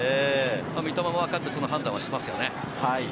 三笘も分かってその判断をしていますね。